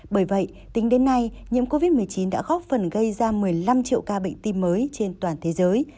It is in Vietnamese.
bởi vậy tính đến nay nhiễm covid một mươi chín đã góp phần gây ra một mươi năm triệu ca bệnh tim mới trên toàn thế giới